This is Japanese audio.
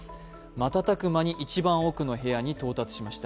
瞬く間に一番奥の部屋に到達しました。